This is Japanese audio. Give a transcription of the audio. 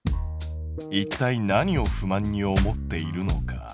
いったい何を不満に思っているのか。